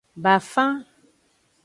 Bafan.